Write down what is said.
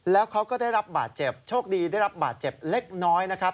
แล้วเขาก็ได้รับบาดเจ็บโชคดีได้รับบาดเจ็บเล็กน้อยนะครับ